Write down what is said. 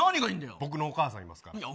僕のお母さん、いますから。